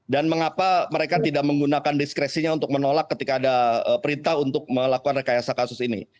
dan mengapa mereka tidak menggunakan diskresinya untuk menolak ketika ada perintah untuk melakukan rekayasa kasus ini